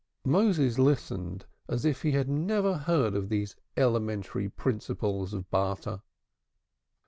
Moses listened as if he had never heard of the elementary principles of barter.